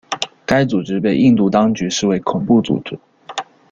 该组织被印度当局视为恐怖组织。